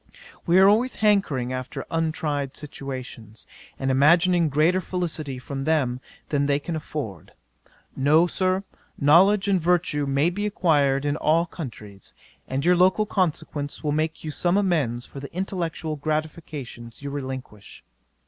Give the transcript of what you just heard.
We are always hankering after untried situations, and imagining greater felicity from them than they can afford. No, Sir, knowledge and virtue may be acquired in all countries, and your local consequence will make you some amends for the intellectual gratifications you relinquish."